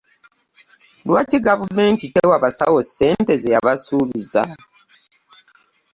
Lwaki gavumenti tewa basawo ssente zeyabasuubiza?